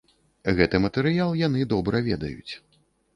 Гэты матэрыял яны добра ведаюць.